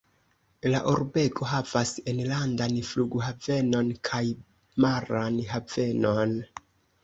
La urbego havas enlandan flughavenon kaj maran havenon.